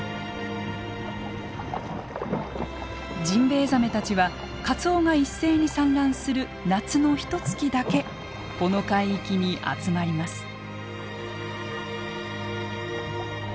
ジンベエザメたちはカツオが一斉に産卵する夏のひとつきだけこの海域に集まります。